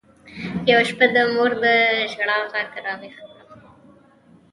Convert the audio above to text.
يوه شپه د مور د ژړا ږغ راويښ کړم.